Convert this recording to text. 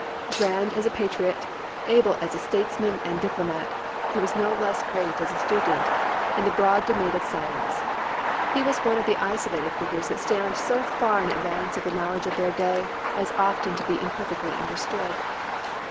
Grand as a patriot, able as a statesman and diplomat, he was no less great as a student in the broad domain of science ; he was one of the isolated figures that stand so far in advance of the knowledge of their day as often to be imperfecth^ understood.